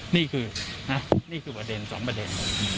นี่คือสองประเด็น